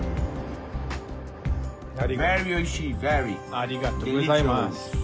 ありがとうございます。